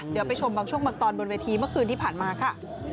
เดี๋ยวไปชมบางช่วงบางตอนบนเวทีเมื่อคืนที่ผ่านมาค่ะ